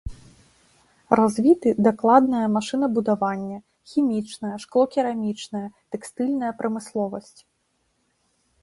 Развіты дакладнае машынабудаванне, хімічная, шклокерамічная, тэкстыльная прамысловасць.